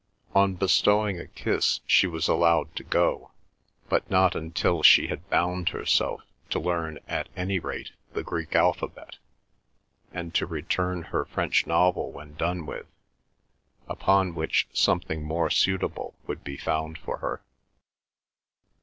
On bestowing a kiss she was allowed to go, but not until she had bound herself to learn at any rate the Greek alphabet, and to return her French novel when done with, upon which something more suitable would be found for her.